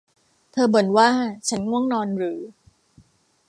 เธอบ่นว่า ฉันง่วงนอนหรือ